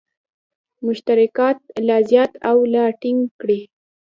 مشترکات لا زیات او لا ټینګ کړي.